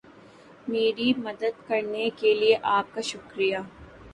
میری مدد کرنے کے لئے آپ کا شکریہ